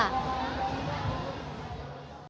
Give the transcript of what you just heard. dan juga barang bawahnya selama di pekan raya jakarta